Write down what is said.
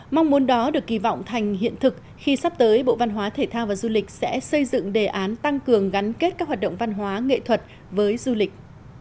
mong muốn đó được kỳ vọng thành hiện thực khi sắp tới bộ văn hóa thể thao và du lịch sẽ xây dựng đề án tăng cường gắn kết các hoạt động văn hóa nghệ thuật với du lịch